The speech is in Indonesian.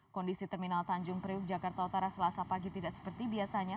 kondisi terminal tanjung priuk jakarta utara selasa pagi tidak seperti biasanya